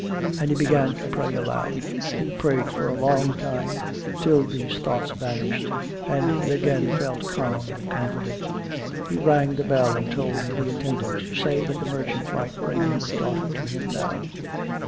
And he began to pray aloud. He prayed for a long time till these thoughts vanished and he again felt calm and confident. He rang the bell and told the attendant to say that the merchant might bring his daughter to him now.